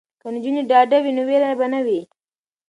که نجونې ډاډه وي نو ویره به نه وي.